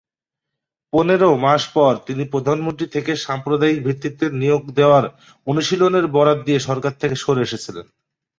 পনেরো মাস পর তিনি প্রধানমন্ত্রী থেকে সাম্প্রদায়িক ভিত্তিতে নিয়োগ দেওয়ার অনুশীলনের বরাত দিয়ে সরকার থেকে সরে এসেছিলেন।